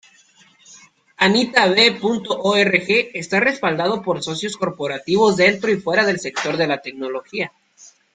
AnitaB.org está respaldado por socios corporativos dentro y fuera del sector de la tecnología.